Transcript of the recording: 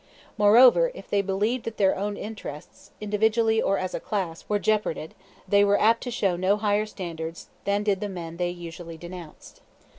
Moreover, if they believed that their own interests, individually or as a class, were jeoparded, they were apt to show no higher standards than did the men they usually denounced.